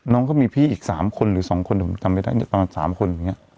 น้องก็มีพี่อีก๓คนหรือ๒คนผมจำไม่ได้ตอนนั้น๓คน